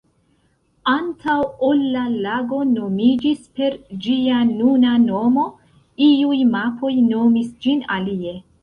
Antaŭ ol la lago nomiĝis per ĝia nuna nomo, iuj mapoj nomis ĝin alie.